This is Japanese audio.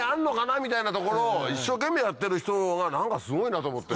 みたいなところを一生懸命やってる人のほうが何かすごいなと思って。